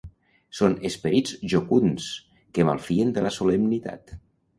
Són esperits jocunds que malfien de la solemnitat.